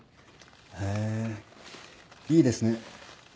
へぇいいですね。